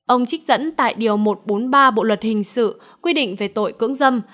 ông trích dẫn tại điều một trăm bốn mươi ba bộ luật hình sự quy định về tội cưỡng dâm